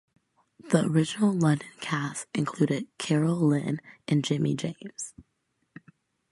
The original London cast included Carole Lynne and Jimmy James.